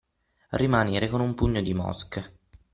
Rimanere con un pugno di mosche.